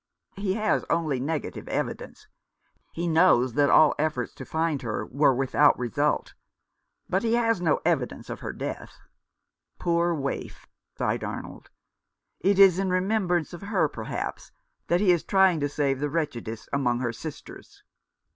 " He has only negative evidence. He knows that all efforts to find her were without result ; but he has no evidence of her death." " Poor waif !" sighed Arnold. " It is in remem brance of her, perhaps, that he is trying to save the wretchedest among her sisters."